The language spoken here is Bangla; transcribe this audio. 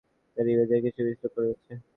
জশ, ইমেজের আর কিছু বিশ্লেষণ করা যাচ্ছে?